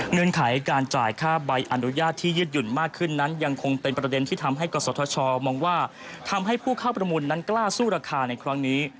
ไขการจ่ายค่าใบอนุญาตที่ยืดหยุ่นมากขึ้นนั้นยังคงเป็นประเด็นที่ทำให้กศธชมองว่าทำให้ผู้เข้าประมูลนั้นกล้าสู้ราคาในครั้งนี้